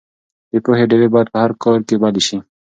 د پوهې ډیوې باید په هر کور کې بلې شي.